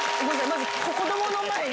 まず子どもの前に。